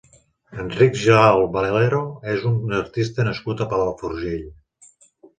Enric Giralt Valero és un artista nascut a Palafrugell.